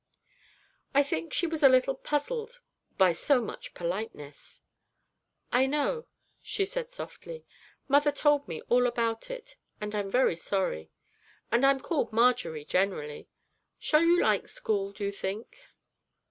I think she was a little puzzled by so much politeness. 'I know,' she said softly; 'mother told me about it, and I'm very sorry. And I'm called Marjory, generally. Shall you like school, do you think?'